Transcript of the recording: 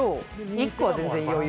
１個は全然余裕？